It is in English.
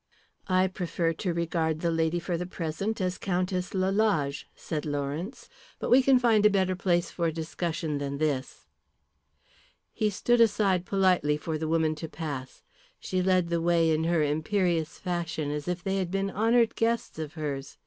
"I prefer to regard the lady for the present as Countess Lalage," said Lawrence. "But we can find a better place for discussion than this." He stood aside politely for the woman to pass. She led the way in her imperious fashion as if they had been honoured guests of hers.